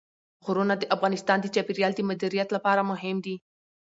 غرونه د افغانستان د چاپیریال د مدیریت لپاره مهم دي.